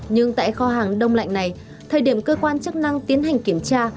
nhưng tại kho hàng đông lạnh này thời điểm cơ quan chức năng tiến hành kiểm tra